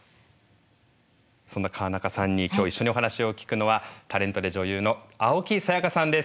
そんな川中さんに今日一緒にお話を聞くのはタレントで女優の青木さやかさんです。